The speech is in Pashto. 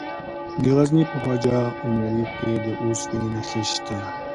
د غزني په خواجه عمري کې د اوسپنې نښې شته.